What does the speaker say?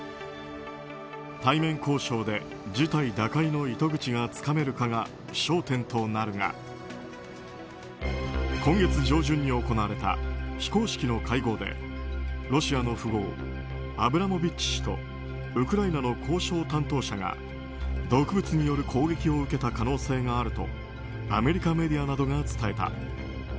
対面交渉で事態打開の糸口がつかめるかが焦点となるが今月上旬に行われた非公式の会合でロシアの富豪アブラモビッチ氏とウクライナの交渉担当者が毒物による攻撃を受けた可能性があるとアメリカメディアなどが伝えた。